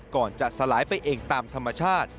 ก่อนจะสลายไปเองตามธรรมชาติ